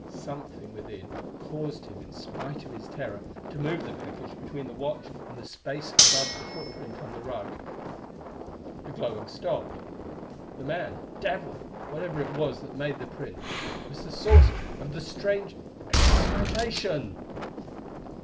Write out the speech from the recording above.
Something within caused him in spite of his terror to move the package between the watch and the space above the footprint on the rug. The glowing stopped. The man devil whatever it was that made the print was the source of the strange excitation!